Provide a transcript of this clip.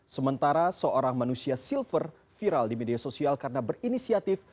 sementara seorang manusia silver viral di media sosial karena berinisiatif